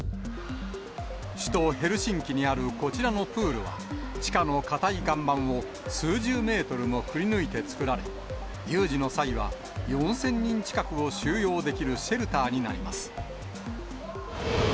首都ヘルシンキにあるこちらのプールは、地下の硬い岩盤を数十メートルもくりぬいて作られ、有事の際は４０００人近くを収容できるシェルターになります。